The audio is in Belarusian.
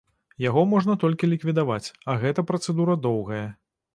Яго можна толькі ліквідаваць, а гэта працэдура доўгая.